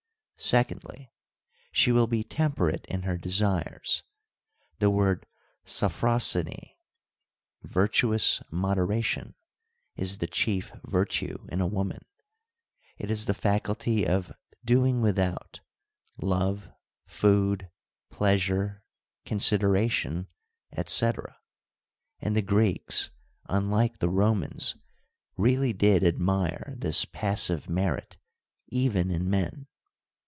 Secondly, she will be temperate in her desires : the word ' Sophrosyne,' ' virtuous moderation,' is the chief virtue in a woman : it is the faculty of ' doing without '— love, food, pleasure, considera tion, etc. — and the Greeks, unlike the Romans, really did admire this passive merit even in men.